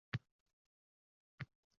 Qancha tayyorlandim, qancha o`qidim